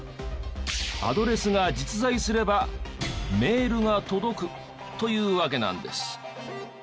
アドレスが実在すればメールが届くというわけなんです。